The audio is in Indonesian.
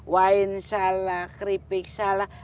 wine salak keripik salak